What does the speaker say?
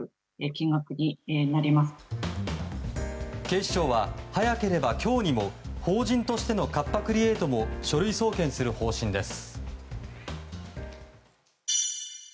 警視庁は早ければ今日にも法人としてのカッパ・クリエイトも書類送検する方針です。